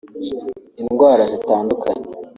indwara zitandukanye